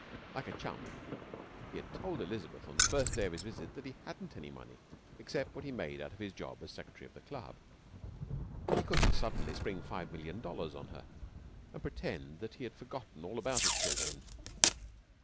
Like a chump, he had told Elizabeth on the first day of his visit that he hadn't any money except what he made out of his job as secretary of the club. He couldn't suddenly spring five million dollars on her and pretend that he had forgotten all about it till then.